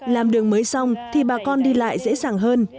làm đường mới xong thì bà con đi lại dễ dàng hơn